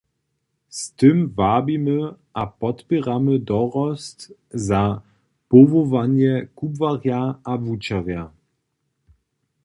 Z tym wabimy a podpěramy dorost za powołanje kubłarja a wučerja.